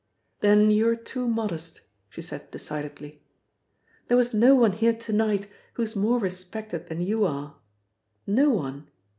"Then you're too modest," she said decidedly. "There was no one here to night who's more respected than you are. No one!